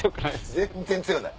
全然強くない。